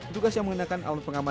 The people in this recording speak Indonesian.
tugas yang mengenakan alun pengamanan